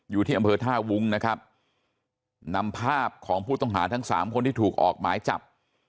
อยู่ที่อำเภอท่าวุ้งนะครับนำภาพของผู้ต้องหาทั้งสามคนที่ถูกออกหมายจับ